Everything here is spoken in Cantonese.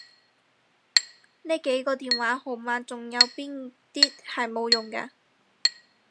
呢幾個電話號碼仲有邊啲係冇用嘅？